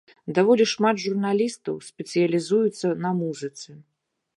Даволі шмат журналістаў спецыялізуецца на музыцы.